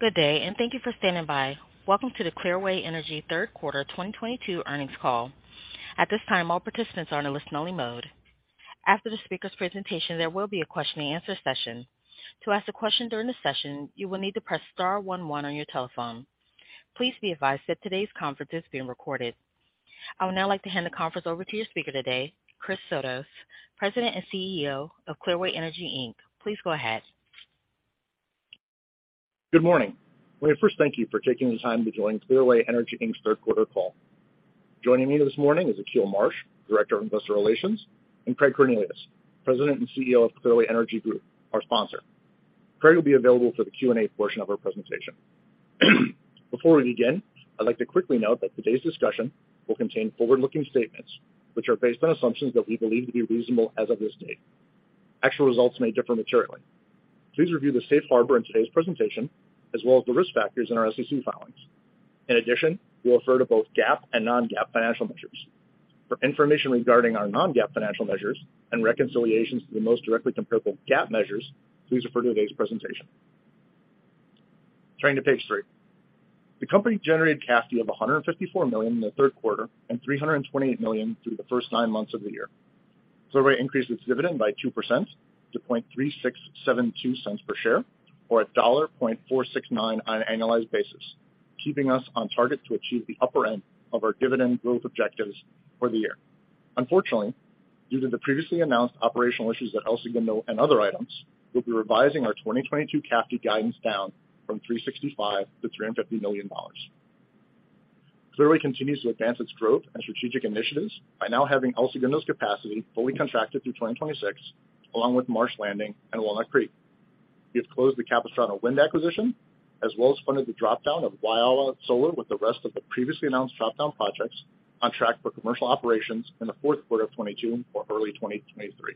Good day, and thank you for standing by. Welcome to the Clearway Energy third quarter 2022 earnings call. At this time, all participants are in a listen-only mode. After the speaker's presentation, there will be a question-and-answer session. To ask a question during the session, you will need to press star one one on your telephone. Please be advised that today's conference is being recorded. I would now like to hand the conference over to your speaker today, Chris Sotos, President and CEO of Clearway Energy, Inc. Please go ahead. Good morning. Let me first thank you for taking the time to join Clearway Energy, Inc.'s third quarter call. Joining me this morning is Akil Marsh, Director of Investor Relations, and Craig Cornelius, President and CEO of Clearway Energy Group, our sponsor. Craig will be available for the Q&A portion of our presentation. Before we begin, I'd like to quickly note that today's discussion will contain forward-looking statements which are based on assumptions that we believe to be reasonable as of this date. Actual results may differ materially. Please review the safe harbor in today's presentation as well as the risk factors in our SEC filings. In addition, we'll refer to both GAAP and non-GAAP financial measures. For information regarding our non-GAAP financial measures and reconciliations to the most directly comparable GAAP measures, please refer to today's presentation. Turning to page three. The company generated CAFD of $154 million in the third quarter and $328 million through the first nine months of the year. Clearway increased its dividend by 2% to $0.3672 per share or $1.469 on an annualized basis, keeping us on target to achieve the upper end of our dividend growth objectives for the year. Unfortunately, due to the previously announced operational issues at El Segundo and other items, we'll be revising our 2022 CAFD guidance down from $365 million-$350 million. Clearway continues to advance its growth and strategic initiatives by now having El Segundo's capacity fully contracted through 2026, along with Marsh Landing and Walnut Creek. We have closed the Capistrano Wind acquisition as well as funded the dropdown of Wyalusing Solar with the rest of the previously announced dropdown projects on track for commercial operations in the fourth quarter of 2022 or early 2023.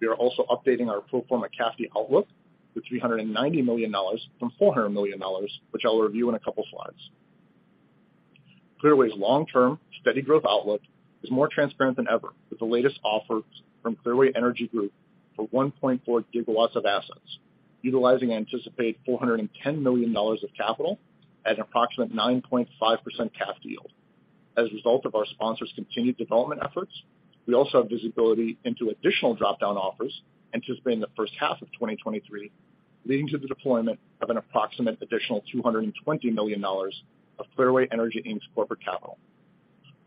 We are also updating our pro forma CAFD outlook to $390 million from $400 million, which I'll review in a couple slides. Clearway's long-term steady growth outlook is more transparent than ever with the latest offer from Clearway Energy Group for 1.4 GW of assets, utilizing anticipated $410 million of capital at an approximate 9.5% CAFD yield. As a result of our sponsor's continued development efforts, we also have visibility into additional dropdown offers anticipated in the first half of 2023, leading to the deployment of an approximate additional $220 million of Clearway Energy, Inc.'s corporate capital.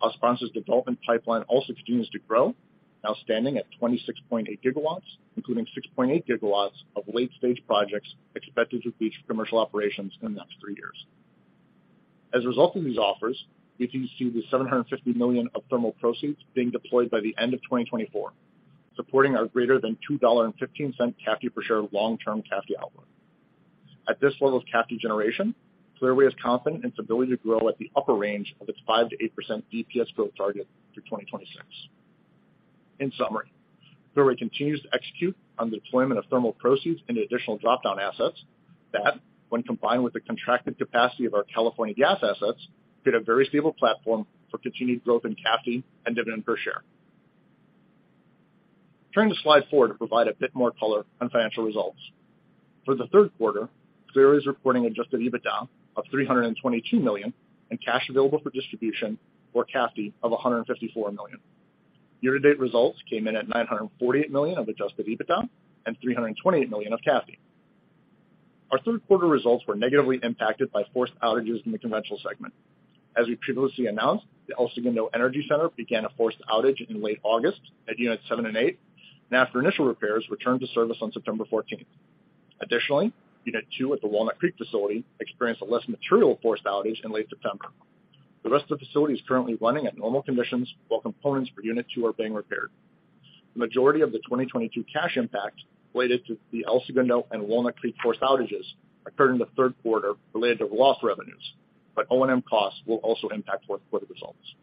Our sponsor's development pipeline also continues to grow, now standing at 26.8 GW, including 6.8 GW of late-stage projects expected to reach commercial operations in the next three years. As a result of these offers, we continue to see the $750 million of thermal proceeds being deployed by the end of 2024, supporting our greater than $2.15 CAFD per share long-term CAFD outlook. At this level of CAFD generation, Clearway is confident in its ability to grow at the upper range of its 5%-8% DPS growth target through 2026. In summary, Clearway continues to execute on the deployment of thermal proceeds and additional dropdown assets that when combined with the contracted capacity of our California gas assets, create a very stable platform for continued growth in CAFD and dividend per share. Turning to slide four to provide a bit more color on financial results. For the third quarter, Clearway is reporting adjusted EBITDA of $322 million and cash available for distribution or CAFD of $154 million. Year-to-date results came in at $948 million of adjusted EBITDA and $328 million of CAFD. Our third quarter results were negatively impacted by forced outages in the conventional segment. As we previously announced, the El Segundo Energy Center began a forced outage in late August at unit seven and eight, and after initial repairs returned to service on September 14. Unit two at the Walnut Creek facility experienced a less material forced outage in late September. The rest of the facility is currently running at normal conditions while components for unit two are being repaired. The majority of the 2022 cash impact related to the El Segundo and Walnut Creek forced outages occurred in the third quarter related to lost revenues, but O&M costs will also impact fourth quarter results.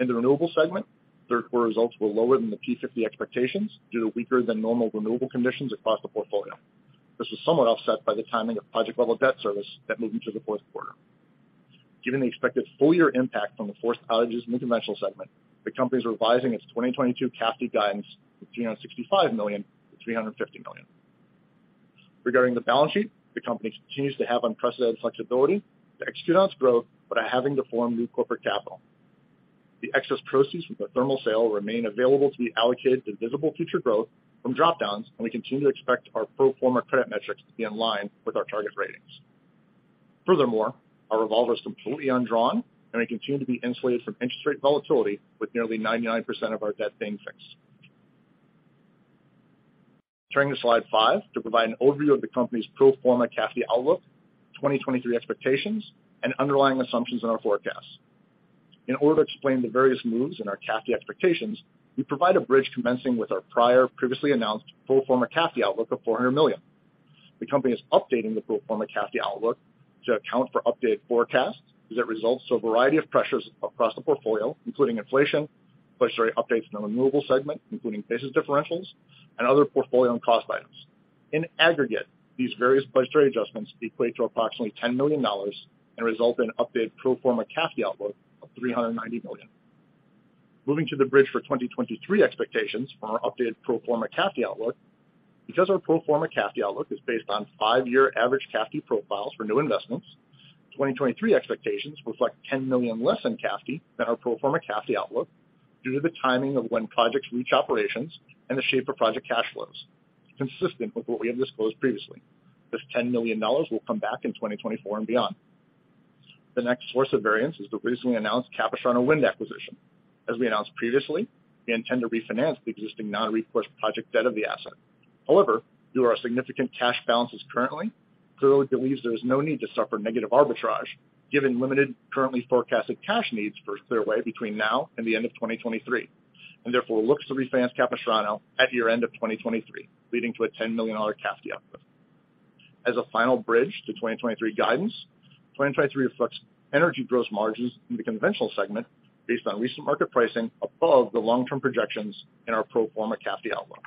In the renewables segment, third quarter results were lower than the P50 expectations due to weaker than normal renewable conditions across the portfolio. This is somewhat offset by the timing of project-level debt service that moved into the fourth quarter. Given the expected full-year impact from the forced outages in the conventional segment, the company is revising its 2022 CAFD guidance from $365 million-$350 million. Regarding the balance sheet, the company continues to have unprecedented flexibility to execute on its growth without having to form new corporate capital. The excess proceeds from the thermal sale remain available to be allocated to visible future growth from dropdowns, and we continue to expect our pro forma credit metrics to be in line with our target ratings. Furthermore, our revolver is completely undrawn, and we continue to be insulated from interest rate volatility with nearly 99% of our debt being fixed. Turning to slide five to provide an overview of the company's pro forma CAFD outlook, 2023 expectations, and underlying assumptions in our forecasts. In order to explain the various moves in our CAFD expectations, we provide a bridge commencing with our previously announced pro forma CAFD outlook of $400 million. The company is updating the pro forma CAFD outlook to account for updated forecasts as it relates to a variety of pressures across the portfolio, including inflation, budgetary updates in the renewables segment, including basis differentials and other portfolio and cost items. In aggregate, these various budgetary adjustments equate to approximately $10 million and result in an updated pro forma CAFD outlook of $390 million. Moving to the bridge for 2023 expectations for our updated pro forma CAFD outlook. Because our pro forma CAFD outlook is based on five-year average CAFD profiles for new investments, 2023 expectations reflect $10 million less in CAFD than our pro forma CAFD outlook due to the timing of when projects reach operations and the shape of project cash flows. Consistent with what we have disclosed previously, this $10 million will come back in 2024 and beyond. The next source of variance is the recently announced Capistrano Wind acquisition. As we announced previously, we intend to refinance the existing non-recourse project debt of the asset. However, due to our significant cash balances currently, Clearway believes there is no need to suffer negative arbitrage given limited currently forecasted cash needs for Clearway between now and the end of 2023, and therefore looks to refinance Capistrano at year-end of 2023, leading to a $10 million CAFD output. As a final bridge to 2023 guidance, 2023 reflects energy gross margins in the conventional segment based on recent market pricing above the long-term projections in our pro forma CAFD outlook.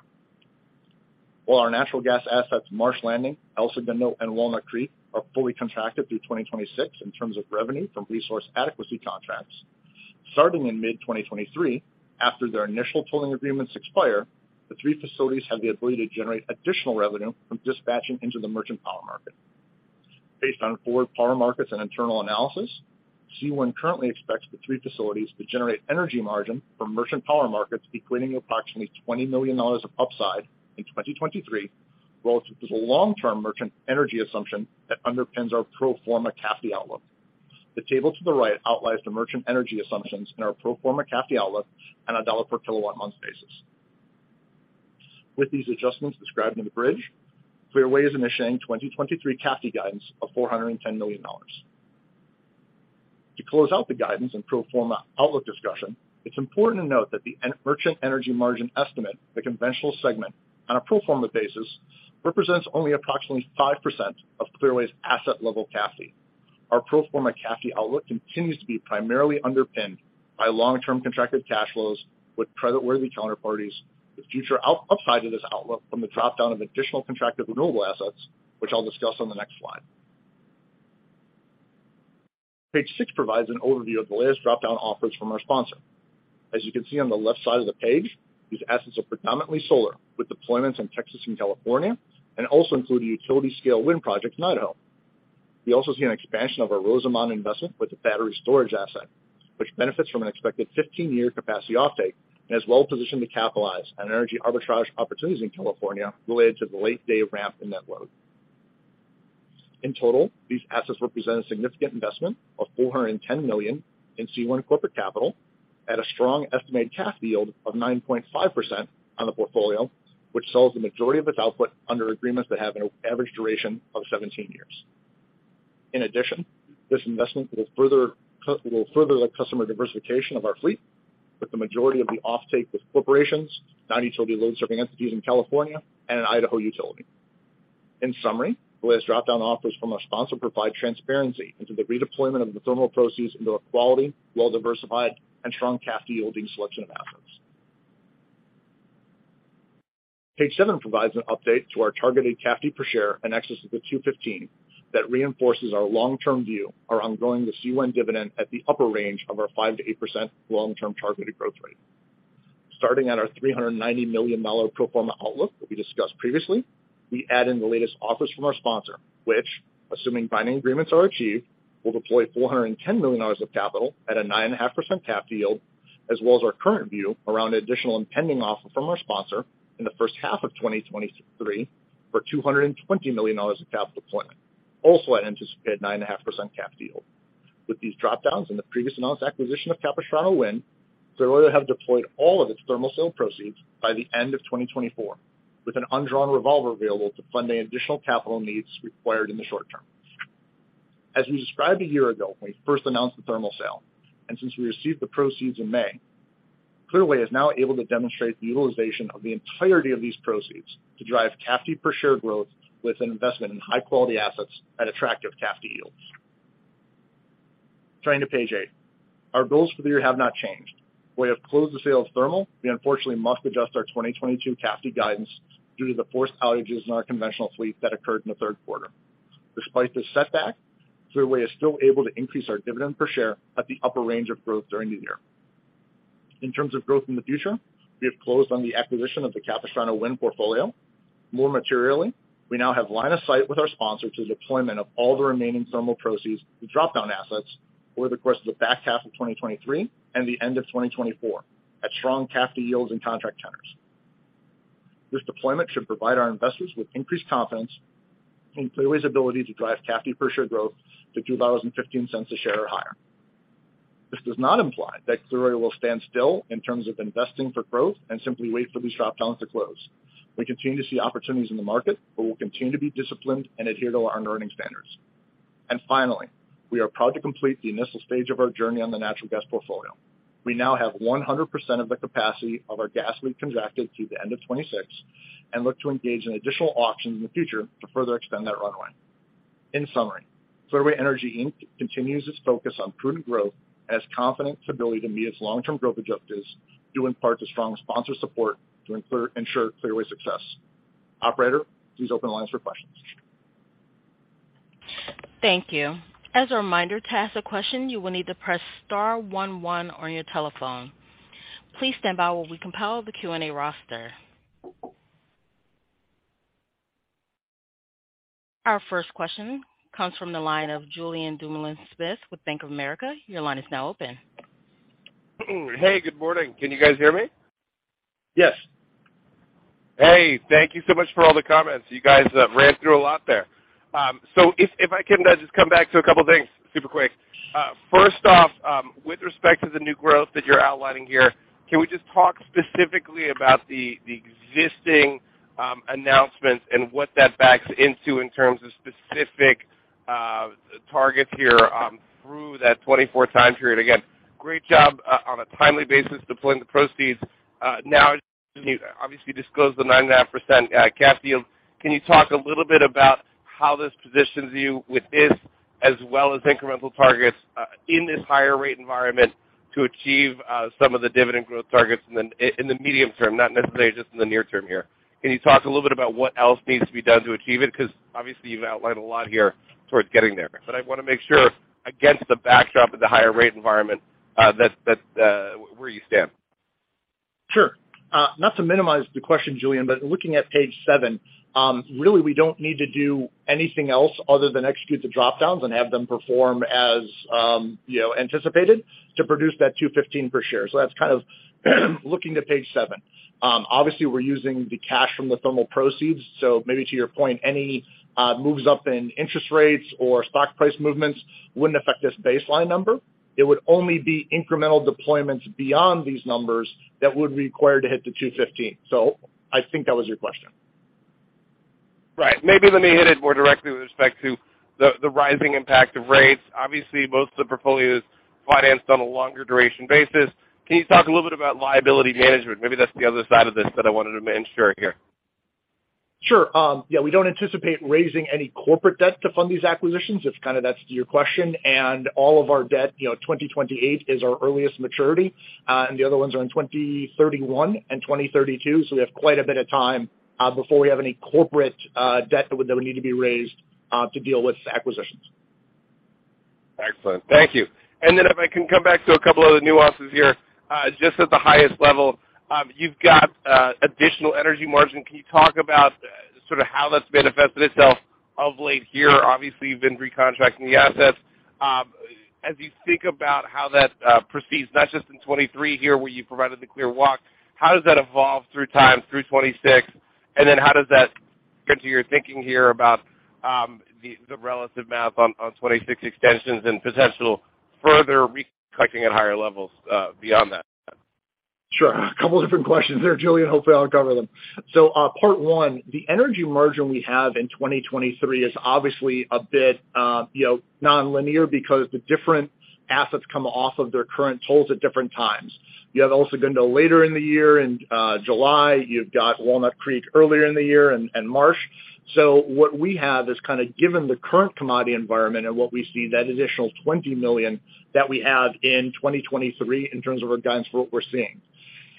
While our natural gas assets, Marsh Landing, El Segundo, and Walnut Creek, are fully contracted through 2026 in terms of revenue from resource adequacy contracts. Starting in mid-2023, after their initial tolling agreements expire, the three facilities have the ability to generate additional revenue from dispatching into the merchant power market. Based on forward power markets and internal analysis, Clearway currently expects the three facilities to generate energy margin from merchant power markets equating to approximately $20 million of upside in 2023, relative to the long-term merchant energy assumption that underpins our pro forma CAFD outlook. The table to the right outlines the merchant energy assumptions in our pro forma CAFD outlook on a dollar per kW month basis. With these adjustments described in the bridge, Clearway is initiating 2023 CAFD guidance of $410 million. To close out the guidance and pro forma outlook discussion, it's important to note that the merchant energy margin estimate, the conventional segment on a pro forma basis, represents only approximately 5% of Clearway's asset level CAFD. Our pro forma CAFD outlook continues to be primarily underpinned by long-term contracted cash flows with creditworthy counterparties. The future upside of this outlook from the drop-down of additional contracted renewable assets, which I'll discuss on the next slide. Page six provides an overview of the latest drop-down offers from our sponsor. As you can see on the left side of the page, these assets are predominantly solar, with deployments in Texas and California, and also include a utility-scale wind project in Idaho. We also see an expansion of our Rosamond investment with a battery storage asset, which benefits from an expected 15-year capacity offtake and is well positioned to capitalize on energy arbitrage opportunities in California related to the late-day ramp in that load. In total, these assets represent a significant investment of $410 million in C corporate capital at a strong estimated CAFD yield of 9.5% on the portfolio, which sells the majority of its output under agreements that have an average duration of 17 years. In addition, this investment will further the customer diversification of our fleet, with the majority of the offtake with corporations, non-utility load-serving entities in California, and an Idaho utility. In summary, the latest drop-down offers from our sponsor provide transparency into the redeployment of the thermal proceeds into a quality, well-diversified, and strong CAFD-yielding selection of assets. Page seven provides an update to our targeted CAFD per share in excess of the $2.15 that reinforces our long-term view around growing the CWEN dividend at the upper range of our 5%-8% long-term targeted growth rate. Starting at our $390 million pro forma outlook that we discussed previously, we add in the latest offers from our sponsor, which, assuming binding agreements are achieved, will deploy $410 million of capital at a 9.5% CAFD yield, as well as our current view around additional impending offer from our sponsor in the first half of 2023 for $220 million of capital deployment, also at anticipated 9.5% CAFD yield. With these drop-downs and the previously announced acquisition of Capistrano Wind Partners, Clearway will have deployed all of its thermal sale proceeds by the end of 2024, with an undrawn revolver available to fund any additional capital needs required in the short term. As we described a year ago when we first announced the thermal sale, and since we received the proceeds in May, Clearway is now able to demonstrate the utilization of the entirety of these proceeds to drive CAFD per share growth with an investment in high-quality assets at attractive CAFD yields. Turning to page eight. Our goals for the year have not changed. We have closed the sale of thermal. We unfortunately must adjust our 2022 CAFD guidance due to the forced outages in our conventional fleet that occurred in the third quarter. Despite this setback, Clearway is still able to increase our dividend per share at the upper range of growth during the year. In terms of growth in the future, we have closed on the acquisition of the Capistrano Wind Partners. More materially, we now have line of sight with our sponsor to the deployment of all the remaining thermal proceeds to drop-down assets over the course of the back half of 2023 and the end of 2024 at strong CAFD yields and contract tenors. This deployment should provide our investors with increased confidence in Clearway's ability to drive CAFD per share growth to $2.15 a share or higher. This does not imply that Clearway will stand still in terms of investing for growth and simply wait for these drop-downs to close. We continue to see opportunities in the market, but we'll continue to be disciplined and adhere to our earned earning standards. Finally, we are proud to complete the initial stage of our journey on the natural gas portfolio. We now have 100% of the capacity of our gas fleet contracted through the end of 2026, and look to engage in additional auctions in the future to further extend that runway. In summary, Clearway Energy, Inc. continues its focus on prudent growth and has confidence in its ability to meet its long-term growth objectives due in part to strong sponsor support to ensure Clearway's success. Operator, please open the lines for questions. Thank you. As a reminder, to ask a question, you will need to press star one one on your telephone. Please stand by while we compile the Q&A roster. Our first question comes from the line of Julien Dumoulin-Smith with Bank of America. Your line is now open. Hey, good morning. Can you guys hear me? Yes. Hey, thank you so much for all the comments. You guys ran through a lot there. If I can just come back to a couple things super quick. First off, with respect to the new growth that you're outlining here, can we just talk specifically about the existing announcements and what that backs into in terms of specific targets here through that 2024 time period? Again, great job on a timely basis deploying the proceeds. Now, obviously disclosed the 9.5% CAFD yield. Can you talk a little bit about how this positions you with this as well as incremental targets in this higher rate environment to achieve some of the dividend growth targets in the medium term, not necessarily just in the near term here. Can you talk a little bit about what else needs to be done to achieve it? 'Cause obviously you've outlined a lot here towards getting there, but I wanna make sure against the backdrop of the higher rate environment, that where you stand. Sure. Not to minimize the question, Julien, but looking at page seven, really, we don't need to do anything else other than execute the drop-downs and have them perform as, you know, anticipated to produce that $2.15 per share. That's kind of looking to page seven. Obviously we're using the cash from the thermal proceeds. Maybe to your point, any moves up in interest rates or stock price movements wouldn't affect this baseline number. It would only be incremental deployments beyond these numbers that would be required to hit the $2.15. I think that was your question. Right. Maybe let me hit it more directly with respect to the rising impact of rates. Obviously, most of the portfolio is financed on a longer duration basis. Can you talk a little bit about liability management? Maybe that's the other side of this that I wanted to make sure here. Sure. Yeah, we don't anticipate raising any corporate debt to fund these acquisitions. If kind of that's to your question. All of our debt, you know, 2028 is our earliest maturity, and the other ones are in 2031 and 2032. We have quite a bit of time before we have any corporate debt that would need to be raised to deal with acquisitions. Excellent. Thank you. If I can come back to a couple of the nuances here, just at the highest level, you've got additional energy margin. Can you talk about sort of how that's manifested itself of late here? Obviously, you've been recontracting the assets. As you think about how that proceeds, not just in 2023 here, where you provided the clear walk, how does that evolve through time through 2026? Then how does that get to your thinking here about the relative math on 2026 extensions and potential further recontracting at higher levels beyond that time? Sure. A couple different questions there, Julian. Hopefully, I'll cover them. Part one, the energy margin we have in 2023 is obviously a bit, you know, nonlinear because the different assets come off of their current tolls at different times. You have El Segundo later in the year in July, you've got Walnut Creek earlier in the year and Marsh. What we have is kind of given the current commodity environment and what we see that additional $20 million that we add in 2023 in terms of our guidance for what we're seeing.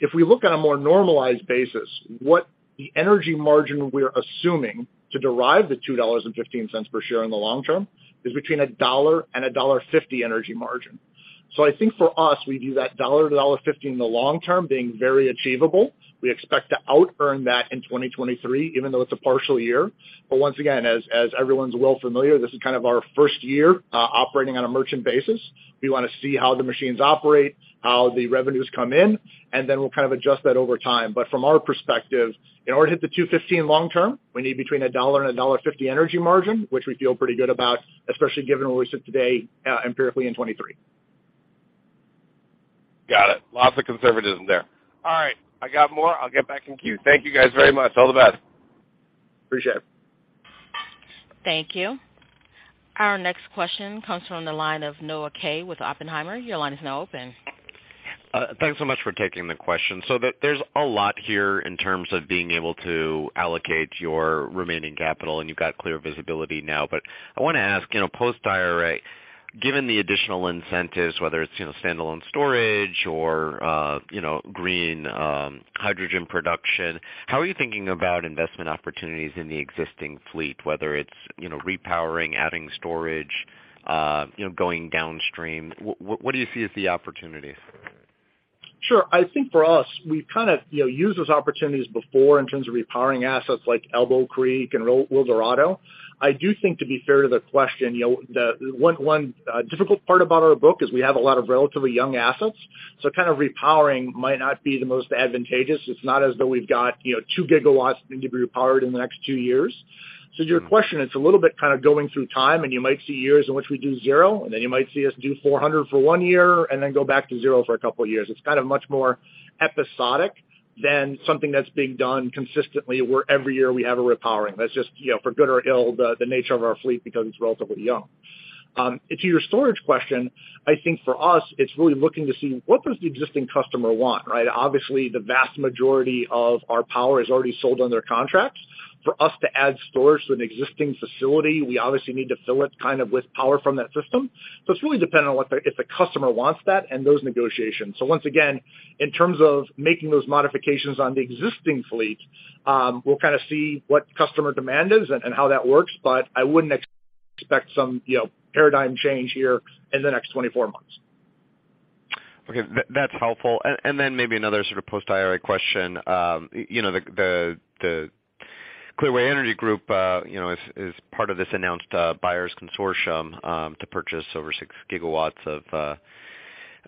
If we look on a more normalized basis, what the energy margin we're assuming to derive the $2.15 per share in the long term is between $1 and $1.50 energy margin. I think for us, we view that $1-$1.50 in the long term being very achievable. We expect to outearn that in 2023, even though it's a partial year. Once again, as everyone's well familiar, this is kind of our first year operating on a merchant basis. We wanna see how the machines operate, how the revenues come in, and then we'll kind of adjust that over time. From our perspective, in order to hit the $2.15 long term, we need between $1 and $1.50 energy margin, which we feel pretty good about, especially given where we sit today, empirically in 2023. Got it. Lots of conservatism there. All right, I got more. I'll get back in queue. Thank you guys very much. All the best. Appreciate it. Thank you. Our next question comes from the line of Noah Kaye with Oppenheimer. Your line is now open. Thanks so much for taking the question. There's a lot here in terms of being able to allocate your remaining capital, and you've got clear visibility now. I wanna ask, you know, post IRA, given the additional incentives, whether it's, you know, standalone storage or, you know, green hydrogen production, how are you thinking about investment opportunities in the existing fleet, whether it's, you know, repowering, adding storage, you know, going downstream? What do you see as the opportunities? Sure. I think for us, we've kind of, you know, used those opportunities before in terms of repowering assets like Elbow Creek and Wildorado. I do think to be fair to the question, you know, the one difficult part about our book is we have a lot of relatively young assets, so kind of repowering might not be the most advantageous. It's not as though we've got, you know, 2 GW that need to be repowered in the next two years. To your question, it's a little bit kind of going through time, and you might see years in which we do zero, and then you might see us do 400 for one year and then go back to zero for a couple of years. It's kind of much more episodic than something that's being done consistently, where every year we have a repowering. That's just, you know, for good or ill, the nature of our fleet because it's relatively young. To your storage question, I think for us it's really looking to see what does the existing customer want, right? Obviously, the vast majority of our power is already sold on their contracts. For us to add storage to an existing facility, we obviously need to fill it kind of with power from that system. It's really dependent on what if the customer wants that and those negotiations. Once again, in terms of making those modifications on the existing fleet, we'll kind of see what customer demand is and how that works, but I wouldn't expect some, you know, paradigm change here in the next 24 months. Okay. That's helpful. Then maybe another sort of post IRA question. You know, the Clearway Energy Group, you know, is part of this announced buyer's consortium to purchase over 6 GW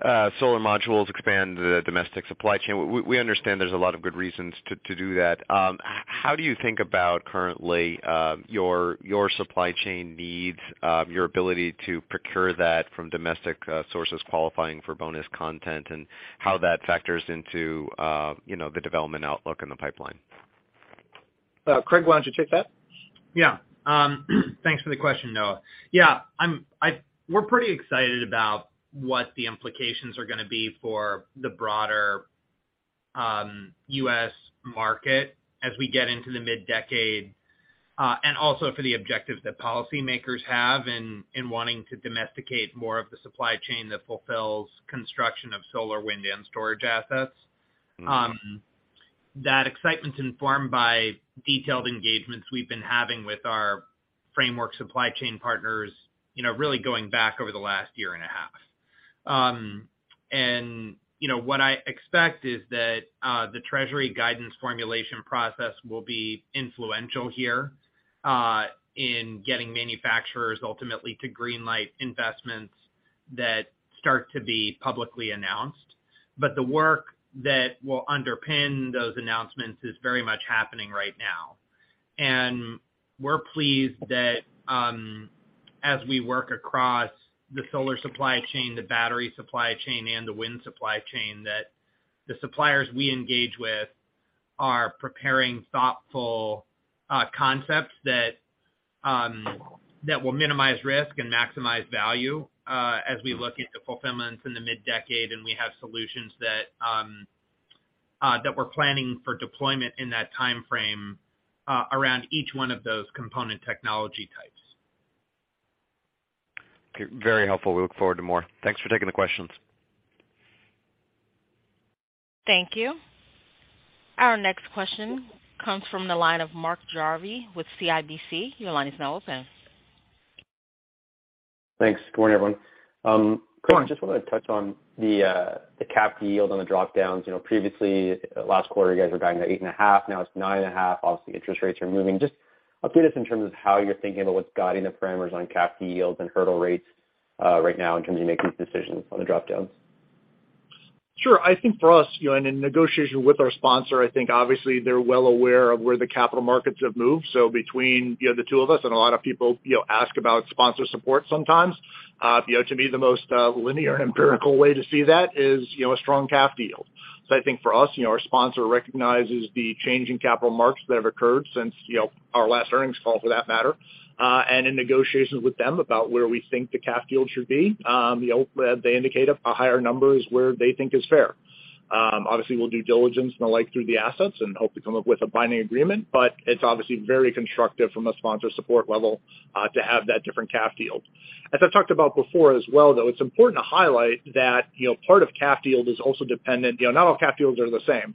of solar modules, expand the domestic supply chain. We understand there's a lot of good reasons to do that. How do you think about currently your supply chain needs, your ability to procure that from domestic sources qualifying for bonus content and how that factors into you know, the development outlook in the pipeline? Craig, why don't you take that? Yeah. Thanks for the question, Noah. Yeah, we're pretty excited about what the implications are gonna be for the broader U.S. market as we get into the mid-decade, and also for the objectives that policymakers have in wanting to domesticate more of the supply chain that fulfills construction of solar, wind, and storage assets. Mm-hmm. That excitement's informed by detailed engagements we've been having with our framework supply chain partners, you know, really going back over the last year and a half. You know, what I expect is that the Treasury guidance formulation process will be influential here in getting manufacturers ultimately to green light investments that start to be publicly announced. The work that will underpin those announcements is very much happening right now. We're pleased that as we work across the solar supply chain, the battery supply chain, and the wind supply chain, that the suppliers we engage with are preparing thoughtful concepts that will minimize risk and maximize value. Mm-hmm. As we look at the fulfillments in the mid-decade, and we have solutions that we're planning for deployment in that timeframe, around each one of those component technology types. Okay. Very helpful. We look forward to more. Thanks for taking the questions. Thank you. Our next question comes from the line of Mark Jarvi with CIBC. Your line is now open. Thanks. Good morning, everyone. Go on. Craig, just wanna touch on the CAFD yield on the drop-downs. You know, previously last quarter, you guys were guiding at 8.5%, now it's 9.5%. Obviously, interest rates are moving. Just update us in terms of how you're thinking about what's guiding the parameters on cap yields and hurdle rates, right now in terms of making decisions on the drop-downs. Sure. I think for us, you know, and in negotiation with our sponsor, I think obviously they're well aware of where the capital markets have moved. Between, you know, the two of us and a lot of people, you know, ask about sponsor support sometimes, you know, to me, the most linear empirical way to see that is, you know, a strong recap deal. I think for us, you know, our sponsor recognizes the change in capital markets that have occurred since, you know, our last earnings call for that matter. In negotiations with them about where we think the recap deal should be, you know, they indicate a higher number is where they think is fair. Obviously, we'll do due diligence and the like through the assets and hope to come up with a binding agreement, but it's obviously very constructive from a sponsor support level to have that different cap deal. As I've talked about before as well, though, it's important to highlight that, you know, part of cap deal is also dependent. You know, not all cap deals are the same.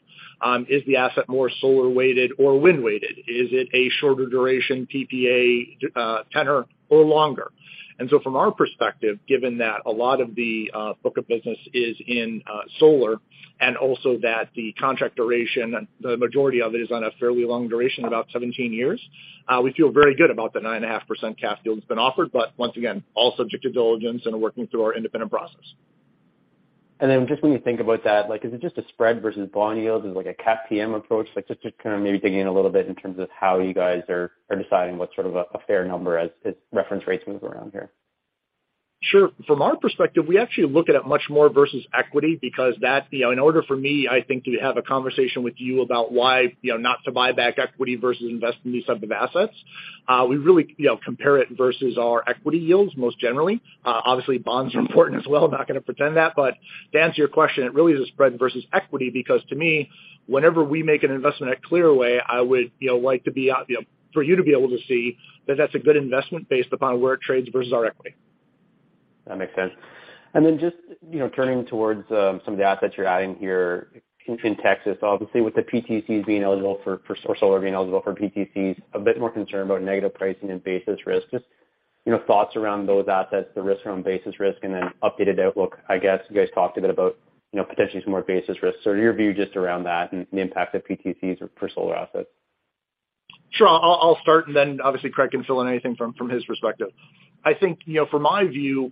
Is the asset more solar-weighted or wind-weighted? Is it a shorter duration PPA, tenor or longer? From our perspective, given that a lot of the book of business is in solar and also that the contract duration, the majority of it is on a fairly long duration, about 17 years, we feel very good about the 9.5% cap deal that's been offered. Once again, all subject to diligence and working through our independent process. Then just when you think about that, like is it just a spread versus bond yield? Is it like a CAPM approach? Like, just to kind of maybe digging in a little bit in terms of how you guys are deciding what sort of a fair number as reference rates move around here. Sure. From our perspective, we actually look at it much more versus equity because that. You know, in order for me, I think, to have a conversation with you about why, you know, not to buy back equity versus invest in these types of assets, we really, you know, compare it versus our equity yields most generally. Obviously, bonds are important as well. I'm not gonna pretend that. To answer your question, it really is a spread versus equity, because to me, whenever we make an investment at Clearway, I would, you know, like to be, you know, for you to be able to see that that's a good investment based upon where it trades versus our equity. That makes sense. Then just, you know, turning towards some of the assets you're adding here in Texas. Obviously, with the PTCs being eligible for or solar being eligible for PTCs, a bit more concerned about negative pricing and basis risk. Just, you know, thoughts around those assets, the risks around basis risk, and then updated outlook. I guess you guys talked a bit about, you know, potentially some more basis risks. Your view just around that and the impact of PTCs for solar assets. Sure. I'll start and then obviously Craig can fill in anything from his perspective. I think, you know, from my view, you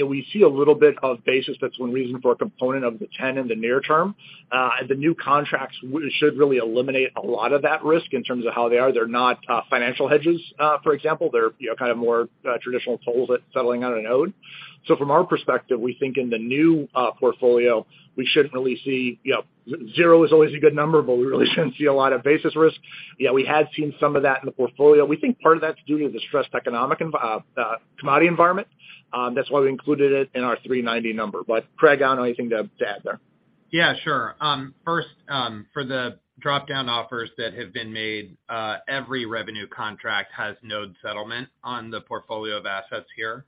know, we see a little bit of basis. That's one reason for a component of the 10 in the near term. The new contracts should really eliminate a lot of that risk in terms of how they are. They're not financial hedges, for example. They're, you know, kind of more traditional tolls at settling on a node. So from our perspective, we think in the new portfolio, we shouldn't really see. You know, zero is always a good number, but we really shouldn't see a lot of basis risk. Yeah, we had seen some of that in the portfolio. We think part of that's due to the stressed economic commodity environment. That's why we included it in our 3.90 number. Craig, I don't know, anything to add there? Yeah, sure. First, for the drop-down offers that have been made, every revenue contract has node settlement on the portfolio of assets here.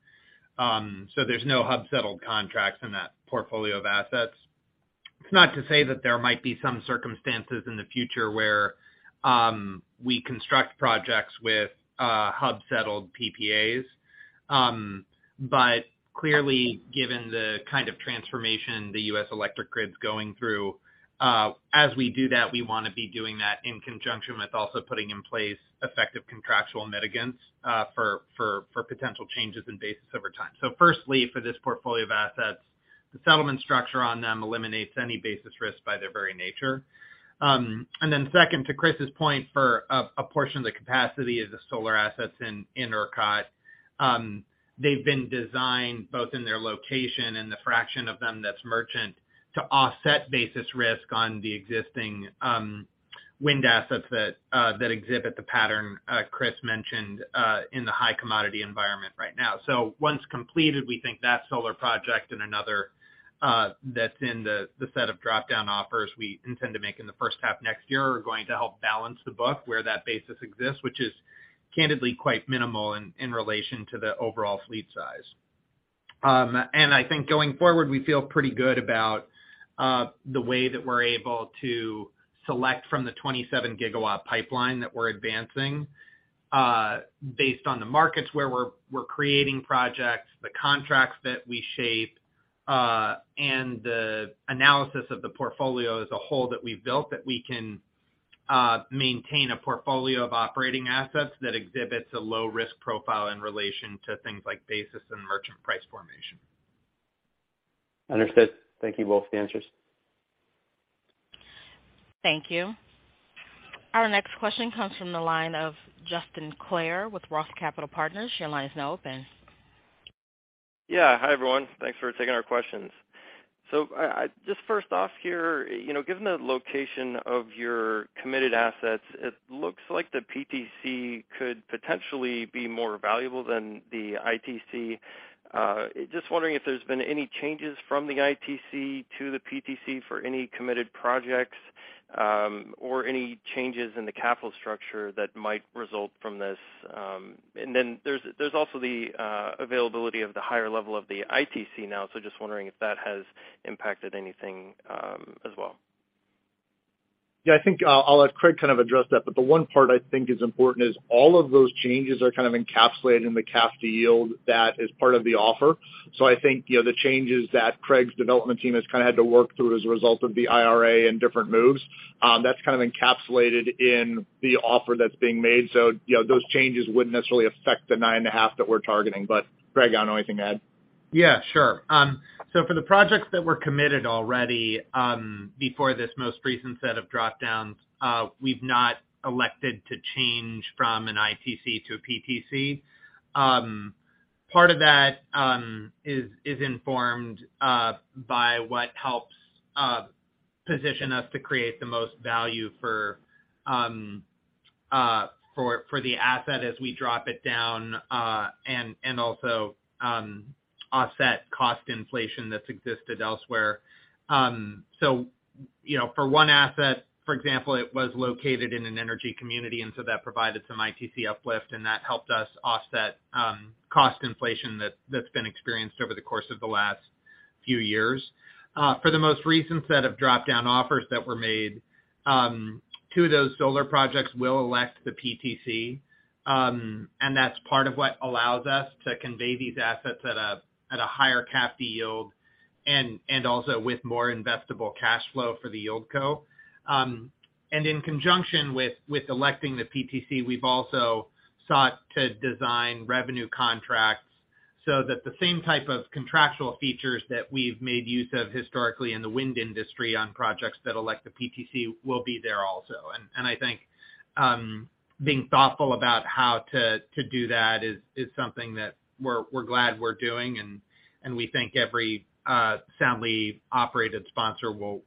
There's no hub-settled contracts in that portfolio of assets. It's not to say that there might be some circumstances in the future where we construct projects with hub-settled PPAs. Clearly, given the kind of transformation the U.S. electric grid's going through, as we do that, we wanna be doing that in conjunction with also putting in place effective contractual mitigants for potential changes in basis over time. Firstly, for this portfolio of assets, the settlement structure on them eliminates any basis risk by their very nature. Then second, to Chris's point, for a portion of the capacity, the solar assets in ERCOT. They've been designed both in their location and the fraction of them that's merchant to offset basis risk on the existing wind assets that exhibit the pattern Chris mentioned in the high commodity environment right now. Once completed, we think that solar project and another that's in the set of dropdown offers we intend to make in the first half next year are going to help balance the book where that basis exists, which is candidly quite minimal in relation to the overall fleet size. I think going forward, we feel pretty good about the way that we're able to select from the 27 GW pipeline that we're advancing, based on the markets where we're creating projects, the contracts that we shape, and the analysis of the portfolio as a whole that we've built, that we can maintain a portfolio of operating assets that exhibits a low risk profile in relation to things like basis and merchant price formation. Understood. Thank you both for the answers. Thank you. Our next question comes from the line of Justin Clare with ROTH Capital Partners. Your line is now open. Yeah. Hi, everyone. Thanks for taking our questions. Just first off here, you know, given the location of your committed assets, it looks like the PTC could potentially be more valuable than the ITC. Just wondering if there's been any changes from the ITC to the PTC for any committed projects, or any changes in the capital structure that might result from this. There's also the availability of the higher level of the ITC now, so just wondering if that has impacted anything, as well. Yeah, I think I'll let Craig kind of address that. The one part I think is important is all of those changes are kind of encapsulated in the CAFD yield that is part of the offer. I think, you know, the changes that Craig's development team has kinda had to work through as a result of the IRA and different moves, that's kind of encapsulated in the offer that's being made. You know, those changes wouldn't necessarily affect the 9.5% that we're targeting. Craig, I don't know anything to add. Yeah, sure. For the projects that were committed already, before this most recent set of drop-downs, we've not elected to change from an ITC to a PTC. Part of that is informed by what helps position us to create the most value for the asset as we drop it down, and also offset cost inflation that's existed elsewhere. You know, for one asset, for example, it was located in an energy community, and so that provided some ITC uplift, and that helped us offset cost inflation that's been experienced over the course of the last few years. For the most recent set of drop-down offers that were made, two of those solar projects will elect the PTC, and that's part of what allows us to convey these assets at a higher CAFD yield and also with more investable cash flow for the YieldCo. In conjunction with electing the PTC, we've also sought to design revenue contracts so that the same type of contractual features that we've made use of historically in the wind industry on projects that elect the PTC will be there also. I think being thoughtful about how to do that is something that we're glad we're doing, and we think every soundly operated sponsor will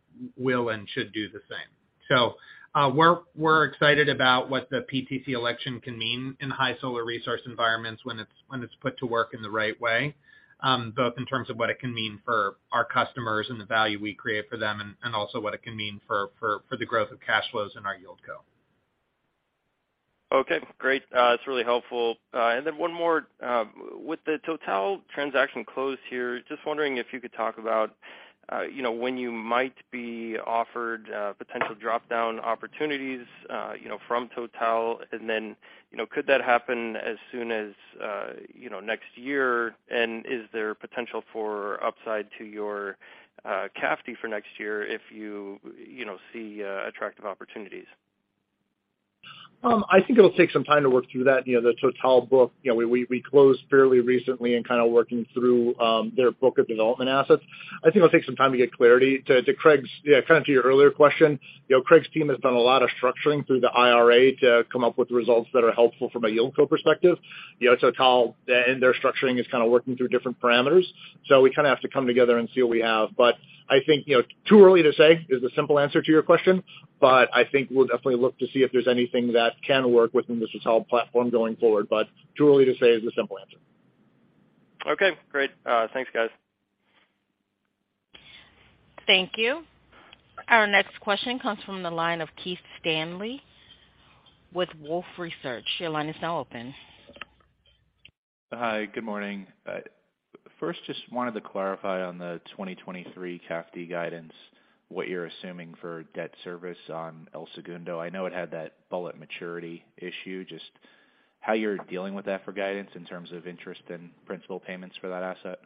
and should do the same. We're excited about what the PTC election can mean in high solar resource environments when it's put to work in the right way, both in terms of what it can mean for our customers and the value we create for them and also what it can mean for the growth of cash flows in our YieldCo. Okay, great. That's really helpful. And then one more. With the TotalEnergies transaction close here, just wondering if you could talk about, you know, when you might be offered potential drop-down opportunities, you know, from TotalEnergies. And then, you know, could that happen as soon as next year? And is there potential for upside to your CAFD for next year if you see attractive opportunities? I think it'll take some time to work through that. You know, the Total book, you know, we closed fairly recently and kinda working through their book of development assets. I think it'll take some time to get clarity. Yeah, kind of to your earlier question, you know, Craig's team has done a lot of structuring through the IRA to come up with results that are helpful from a YieldCo perspective. You know, Total and their structuring is kinda working through different parameters, so we kinda have to come together and see what we have. I think, you know, too early to say is the simple answer to your question, but I think we'll definitely look to see if there's anything that can work within the Total platform going forward. Too early to say is the simple answer. Okay, great. Thanks, guys. Thank you. Our next question comes from the line of Keith Stanley with Wolfe Research. Your line is now open. Hi, good morning. First, just wanted to clarify on the 2023 CAFD guidance, what you're assuming for debt service on El Segundo. I know it had that bullet maturity issue. Just how you're dealing with that for guidance in terms of interest and principal payments for that asset.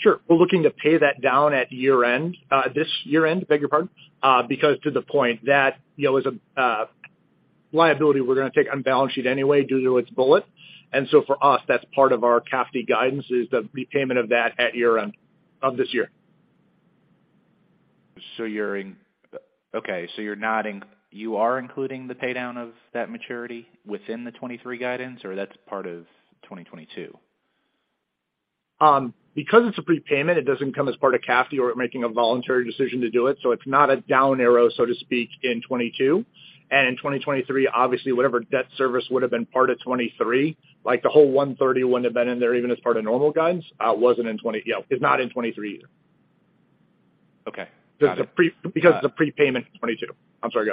Sure. We're looking to pay that down at year-end, this year-end, beg your pardon. Because to the point that, you know, as a liability, we're gonna take on balance sheet anyway due to its bullet. For us, that's part of our CAFD guidance is the repayment of that at year-end of this year. You are including the pay down of that maturity within the 2023 guidance or that's part of 2022? Because it's a prepayment, it doesn't come as part of CAFD or making a voluntary decision to do it. It's not a down arrow, so to speak, in 2022. In 2023, obviously whatever debt service would have been part of 2023, like the whole $130 wouldn't have been in there even as part of normal guidance, you know, is not in 2023 either. Okay. Because it's a prepayment in 2022. I'm sorry, go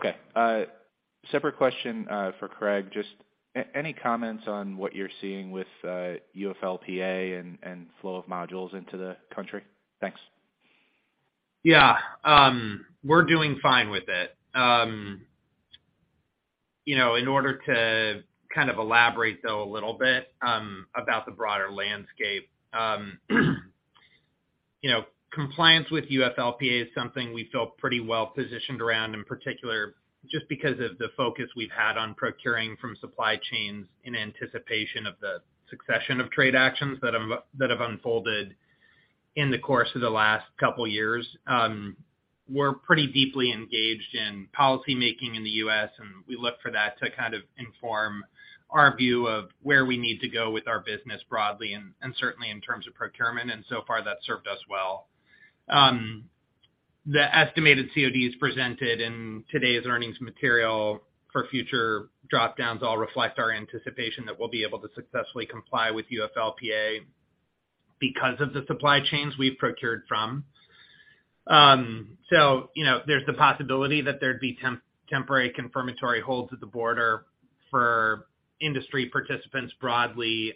ahead. Okay. Separate question for Craig. Just any comments on what you're seeing with UFLPA and flow of modules into the country? Thanks. Yeah. We're doing fine with it. You know, in order to kind of elaborate though a little bit about the broader landscape, you know, compliance with UFLPA is something we feel pretty well-positioned around, in particular just because of the focus we've had on procuring from supply chains in anticipation of the succession of trade actions that have unfolded in the course of the last couple years. We're pretty deeply engaged in policy making in the U.S., and we look for that to kind of inform our view of where we need to go with our business broadly and certainly in terms of procurement, and so far that's served us well. The estimated CODs presented in today's earnings material for future drop-downs all reflect our anticipation that we'll be able to successfully comply with UFLPA because of the supply chains we've procured from. You know, there's the possibility that there'd be temporary confirmatory holds at the border for industry participants broadly,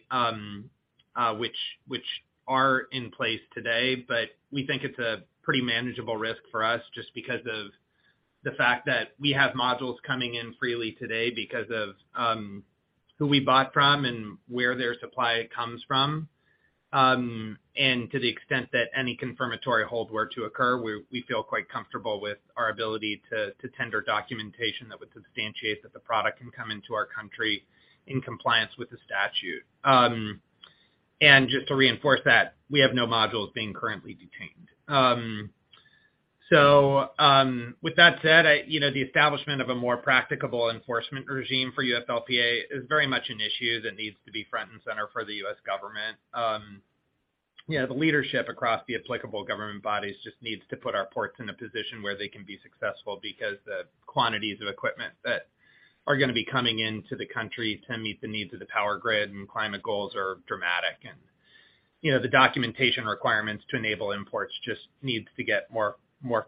which are in place today. We think it's a pretty manageable risk for us just because of the fact that we have modules coming in freely today because of who we bought from and where their supply comes from. To the extent that any confirmatory holds were to occur, we feel quite comfortable with our ability to tender documentation that would substantiate that the product can come into our country in compliance with the statute. Just to reinforce that, we have no modules being currently detained. With that said, you know, the establishment of a more practicable enforcement regime for UFLPA is very much an issue that needs to be front and center for the U.S. government. You know, the leadership across the applicable government bodies just needs to put our ports in a position where they can be successful because the quantities of equipment that are gonna be coming into the country to meet the needs of the power grid and climate goals are dramatic. You know, the documentation requirements to enable imports just needs to get more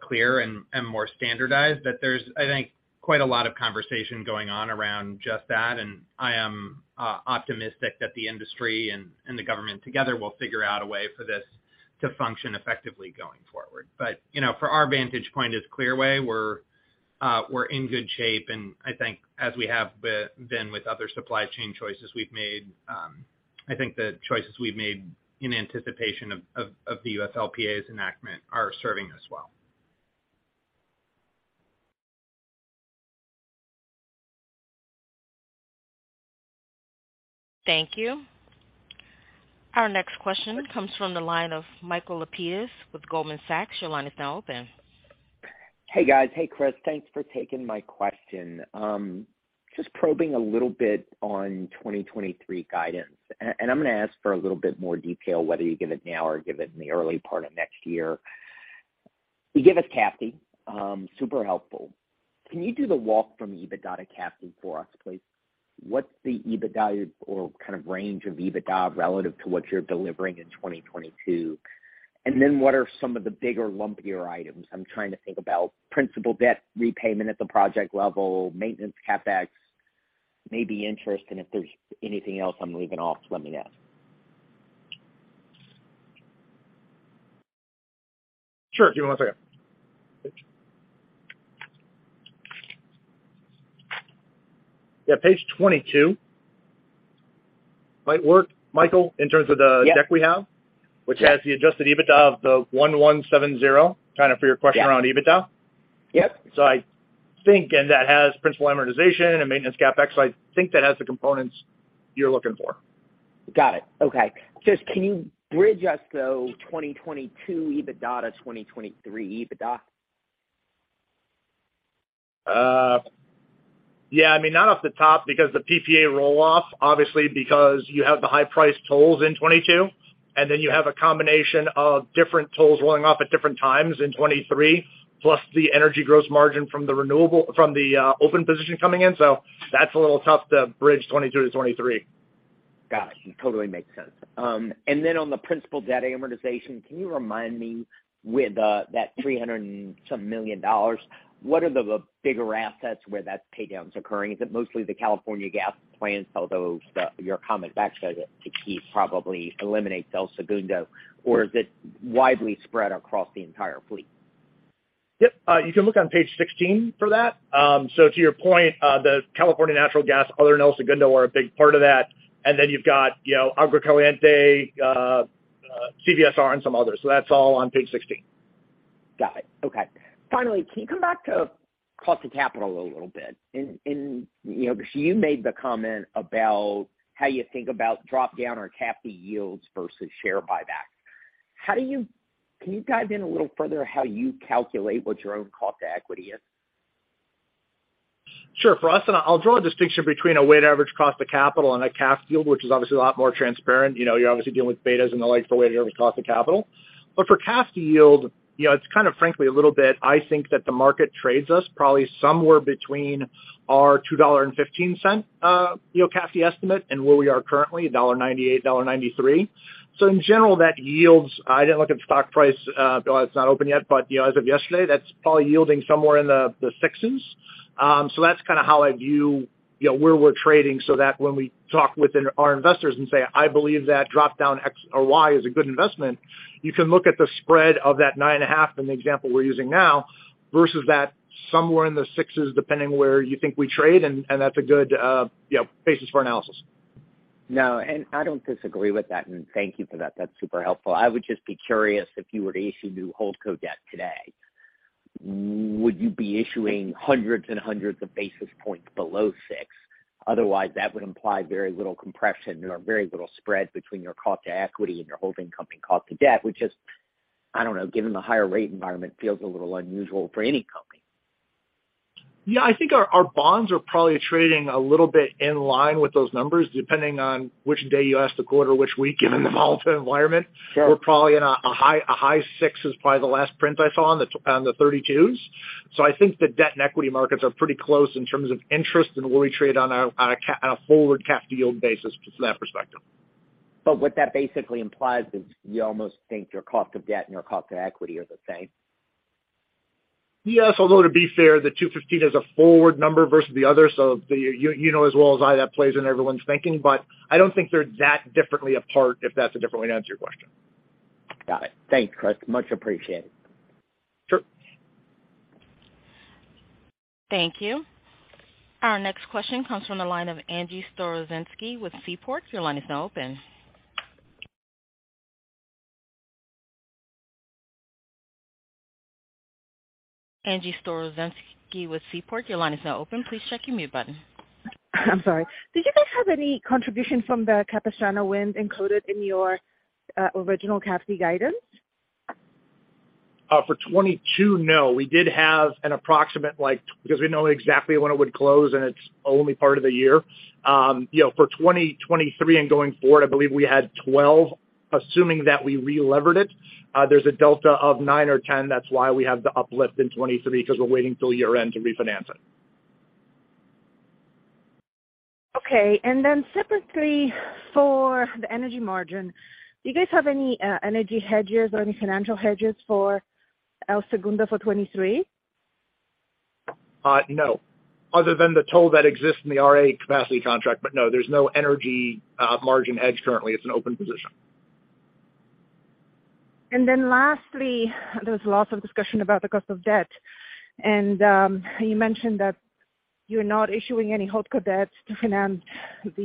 clear and more standardized. There's, I think, quite a lot of conversation going on around just that, and I am optimistic that the industry and the government together will figure out a way for this to function effectively going forward. You know, for our vantage point as Clearway, we're in good shape, and I think as we have been with other supply chain choices we've made, I think the choices we've made in anticipation of the UFLPA's enactment are serving us well. Thank you. Our next question comes from the line of Michael Lapides with Goldman Sachs. Your line is now open. Hey, guys. Hey, Chris. Thanks for taking my question. Just probing a little bit on 2023 guidance. And I'm gonna ask for a little bit more detail, whether you give it now or give it in the early part of next year. You gave us CAFD, super helpful. Can you do the walk from EBITDA to CAFD for us, please? What's the EBITDA or kind of range of EBITDA relative to what you're delivering in 2022? What are some of the bigger, lumpier items? I'm trying to think about principal debt repayment at the project level, maintenance CapEx, maybe interest, and if there's anything else I'm leaving off, let me know. Sure. Give me one second. Yeah, page 22 might work, Michael, in terms of the. Yeah. The deck we have. Yeah. Which has the adjusted EBITDA of $1,170, kinda for your question. Yeah. around EBITDA. Yep. I think and that has principal amortization and maintenance CapEx. I think that has the components you're looking for. Got it. Okay. Just can you bridge us through 2022 EBITDA to 2023 EBITDA? Yeah. I mean, not off the top because the PPA roll-off, obviously because you have the high price tolls in 2022, and then you have a combination of different tolls rolling off at different times in 2023, plus the energy gross margin from the open position coming in. That's a little tough to bridge 2022 to 2023. Totally makes sense. On the principal debt amortization, can you remind me with that $300 and some million dollars, what are the bigger assets where that paydown's occurring? Is it mostly the California gas plants, although your comment back to Keith probably eliminates El Segundo, or is it widely spread across the entire fleet? Yep. You can look on page 16 for that. To your point, the California natural gas, other than El Segundo, are a big part of that. Then you've got, you know, Agua Caliente, CVSR and some others. That's all on page 16. Got it. Okay. Finally, can you come back to cost of capital a little bit? You know, because you made the comment about how you think about drop down or CAFD yields versus share buyback. Can you dive in a little further how you calculate what your own cost of equity is? Sure. For us, I'll draw a distinction between a weighted average cost of capital and a CAFD yield, which is obviously a lot more transparent. You know, you're obviously dealing with betas and the like for weighted average cost of capital. But for CAFD yield, you know, it's kind of frankly a little bit, I think that the market trades us probably somewhere between our $2.15 CAFD estimate and where we are currently, $1.98, $1.93. In general, that yields, I didn't look at the stock price, it's not open yet, but, you know, as of yesterday, that's probably yielding somewhere in the sixes. That's kinda how I view, you know, where we're trading so that when we talk with our investors and say, I believe that drop down X or Y is a good investment, you can look at the spread of that 9.5, in the example we're using now, versus that somewhere in the sixes, depending where you think we trade, and that's a good, you know, basis for analysis. No, I don't disagree with that, and thank you for that. That's super helpful. I would just be curious if you were to issue new holdco debt today, would you be issuing hundreds and hundreds of basis points below six? Otherwise, that would imply very little compression or very little spread between your cost to equity and your holding company cost to debt, which is, I don't know, given the higher rate environment, feels a little unusual for any company. Yeah. I think our bonds are probably trading a little bit in line with those numbers, depending on which day of the quarter, which week, given the volatile environment. Sure. We're probably in a high six is probably the last print I saw on the 32s. I think the debt and equity markets are pretty close in terms of interest and where we trade on a forward CAFD yield basis from that perspective. What that basically implies is you almost think your cost of debt and your cost to equity are the same. Yes. Although to be fair, the $2.15 is a forward number versus the other. You know as well as I that plays into everyone's thinking, but I don't think they're that far apart, if that's a different way to answer your question. Got it. Thanks, Chris. Much appreciated. Sure. Thank you. Our next question comes from the line of Angie Storozynski with Seaport. Your line is now open. Angie Storozynski with Seaport, your line is now open. Please check your mute button. I'm sorry. Did you guys have any contribution from the Capistrano Wind encoded in your original CAFD guidance? For 2022, no. We did have an approximate because we know exactly when it would close, and it's only part of the year. You know, for 2023 and going forward, I believe we had 12, assuming that we relevered it. There's a delta of nine or 10. That's why we have the uplift in 2023 because we're waiting till year-end to refinance it. Okay. Separately for the energy margin, do you guys have any energy hedges or any financial hedges for El Segundo for 2023? No, other than the toll that exists in the RA capacity contract. No, there's no energy margin hedge currently. It's an open position. Lastly, there was lots of discussion about the cost of debt. You mentioned that you're not issuing any holdco debts to finance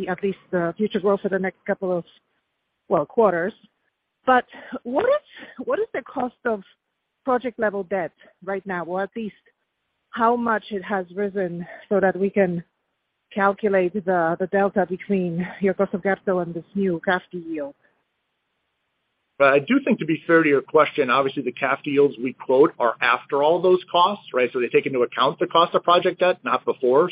at least the future growth for the next couple of, well, quarters. What is the cost of project-level debt right now, or at least how much it has risen so that we can calculate the delta between your cost of capital and this new CAFD yield? I do think to be fair to your question, obviously the CAFD yields we quote are after all those costs, right? They take into account the cost of project debt, not before.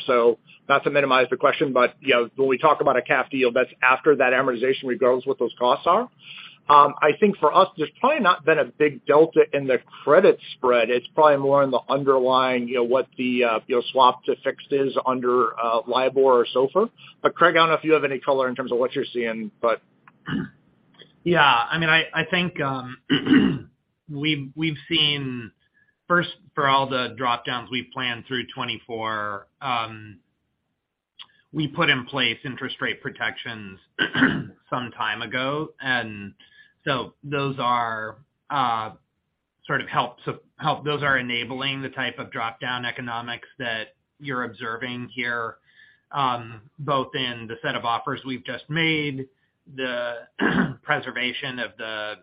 Not to minimize the question, but, you know, when we talk about a CAFD yield, that's after that amortization recovery is what those costs are. I think for us, there's probably not been a big delta in the credit spread. It's probably more in the underlying, you know, what the, you know, swap to fixed is under, LIBOR or SOFR. Craig, I don't know if you have any color in terms of what you're seeing, but. Yeah. I mean, I think we've seen first of all the drop-downs we've planned through 2024, we put in place interest rate protections some time ago. Those are enabling the type of drop-down economics that you're observing here, both in the set of offers we've just made, the preservation of the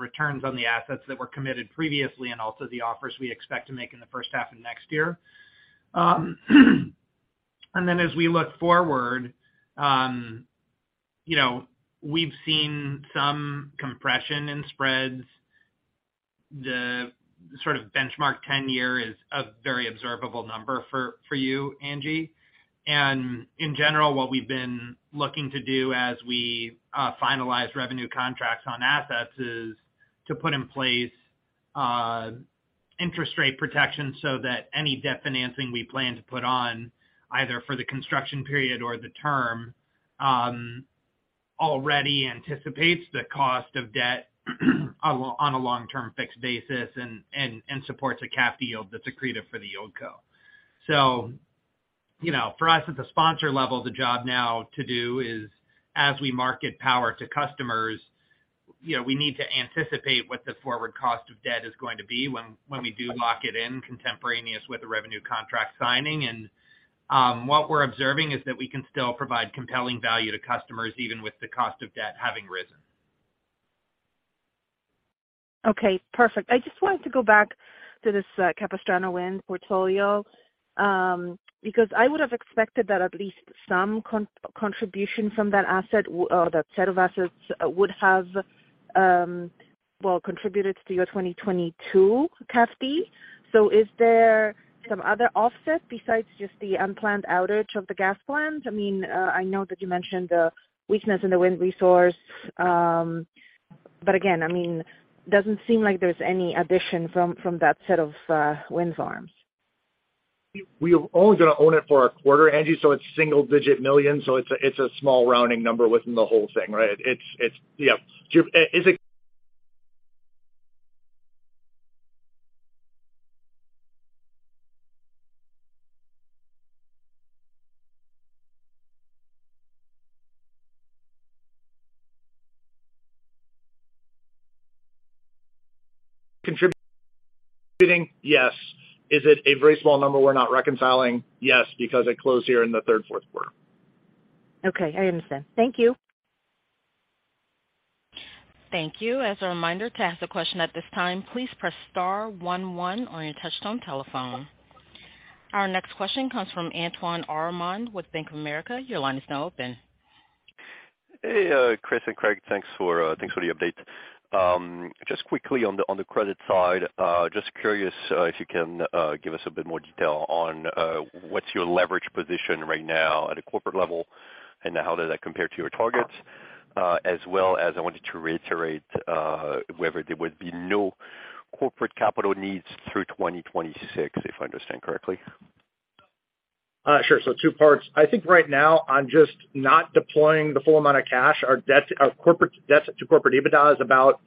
returns on the assets that were committed previously and also the offers we expect to make in the first half of next year. As we look forward, you know, we've seen some compression in spreads. The sort of benchmark 10-year is a very observable number for you, Angie. In general, what we've been looking to do as we finalize revenue contracts on assets is to put in place. Interest rate protection so that any debt financing we plan to put on either for the construction period or the term already anticipates the cost of debt on a long-term fixed basis and supports a CAFD yield that's accretive for the YieldCo. You know, for us at the sponsor level, the job now to do is as we market power to customers, you know, we need to anticipate what the forward cost of debt is going to be when we do lock it in contemporaneous with the revenue contract signing. What we're observing is that we can still provide compelling value to customers even with the cost of debt having risen. Okay, perfect. I just wanted to go back to this Capistrano Wind Partners, because I would have expected that at least some contribution from that asset or that set of assets would have contributed to your 2022 CAFD. Is there some other offset besides just the unplanned outage of the gas plant? I mean, I know that you mentioned the weakness in the wind resource. Again, I mean, it doesn't seem like there's any addition from that set of wind farms. We're only gonna own it for a quarter, Angie, so it's $1-$9 million. It's a small rounding number within the whole thing, right? It's yeah. Is it contributing? Yes. Is it a very small number we're not reconciling? Yes, because it closed here in the third, fourth quarter. Okay. I understand. Thank you. Thank you. As a reminder, to ask a question at this time, please press star one one on your touchtone telephone. Our next question comes from Julien Dumoulin-Smith with Bank of America. Your line is now open. Hey, Chris Sotos and Craig Cornelius. Thanks for the update. Just quickly on the credit side, just curious if you can give us a bit more detail on what's your leverage position right now at a corporate level, and how does that compare to your targets? As well as I wanted to reiterate whether there would be no corporate capital needs through 2026, if I understand correctly. Sure. Two parts. I think right now I'm just not deploying the full amount of cash. Our debt, our corporate debt to corporate EBITDA is about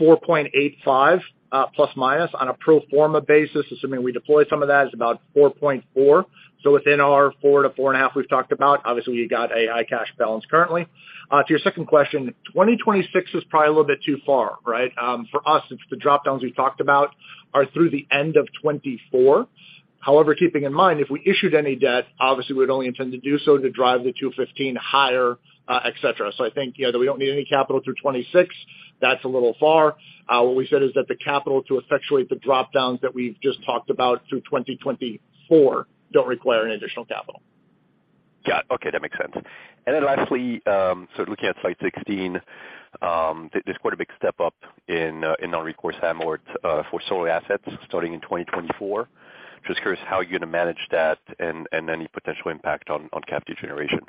4.85, ± on a pro forma basis, assuming we deploy some of that, is about 4.4. Within our 4-4.5 we've talked about. Obviously we've got a high cash balance currently. To your second question, 2026 is probably a little bit too far, right? For us, it's the drop-downs we've talked about are through the end of 2024. However, keeping in mind, if we issued any debt, obviously we would only intend to do so to drive the $2.15 higher, et cetera. I think, you know, that we don't need any capital through 2026. That's a little far. What we said is that the capital to effectuate the drop-downs that we've just talked about through 2024 don't require any additional capital. Got it. Okay, that makes sense. Looking at slide 16, there's quite a big step-up in non-recourse amort for solar assets starting in 2024. Just curious how you're gonna manage that and any potential impact on CAFD generation.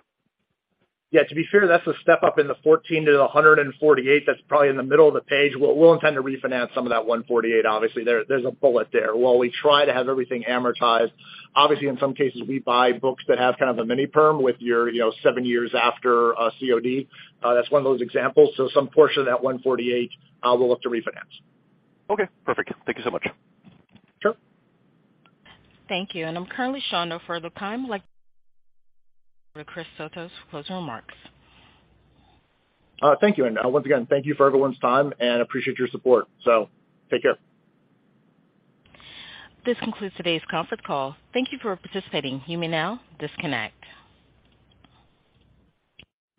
Yeah, to be fair, that's a step up in the $14-$148. That's probably in the middle of the page. We'll intend to refinance some of that $148. Obviously, there's a bullet there. While we try to have everything amortized, obviously, in some cases, we buy books that have kind of a mini perm with, you know, seven years after COD. That's one of those examples. Some portion of that $148, we'll look to refinance. Okay, perfect. Thank you so much. Sure. Thank you. I'm currently showing no further time. I'd like Chris Sotos's closing remarks. Once again, thank you for everyone's time and appreciate your support. Take care. This concludes today's conference call. Thank you for participating. You may now disconnect.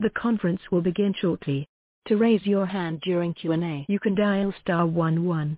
The conference will begin shortly. To raise your hand during Q&A, you can dial star one one.